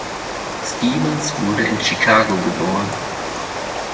Stevens wurde in Chicago geboren.